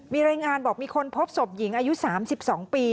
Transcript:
มีรายงานบอกมีคนพบศพหญิงอายุ๓๒ปี